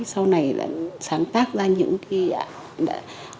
sau này đã sáng tác ra những cái